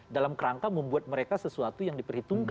dalam kerangka membuat mereka sesuatu yang tidak bisa diperlukan juga ya